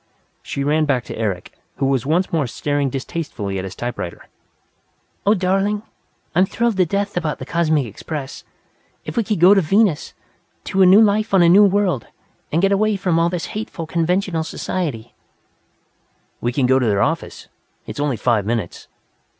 She ran back to Eric, who was once more staring distastefully at his typewriter. "Oh, darling! I'm thrilled to death about the Cosmic Express! If we could go to Venus, to a new life on a new world, and get away from all this hateful conventional society " "We can go to their office it's only five minutes.